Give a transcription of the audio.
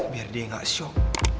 biar dia gak shock